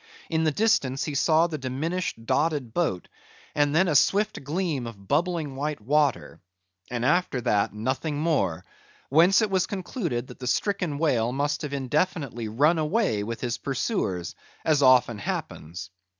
In the distance he saw the diminished dotted boat; and then a swift gleam of bubbling white water; and after that nothing more; whence it was concluded that the stricken whale must have indefinitely run away with his pursuers, as often happens.